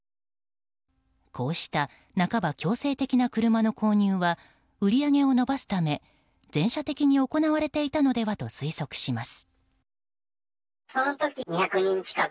こうした半ば強制的な車の購入は売り上げを伸ばすため全社的に行われていたのではと推測します。